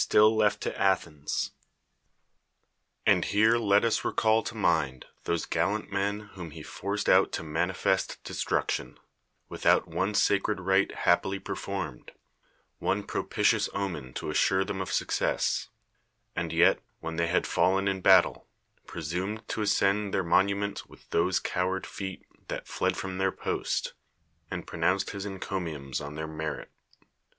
\('h to Atliens. 213 THE WORLD'S FAMOUS ORATIONS And here let us recall to mind those gallant men whom he forced out to manifest destruction, without one sacred rite happily performed, one propitious omen to assure them of success; and yet, when they had fallen in battle, presumed to ascend their monument with those coward feet that fled from their post, and pronounced his encomiums on their merit.